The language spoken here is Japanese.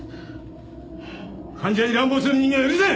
患者に乱暴する人間は許せん。